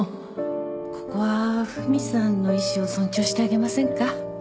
ここはフミさんの意思を尊重してあげませんか？